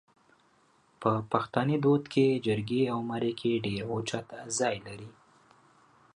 په پښتني دود کې جرګې او مرکې ډېر اوچت ځای لري